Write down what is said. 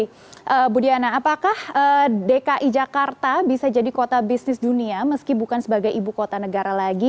ibu diana apakah dki jakarta bisa jadi kota bisnis dunia meski bukan sebagai ibu kota negara lagi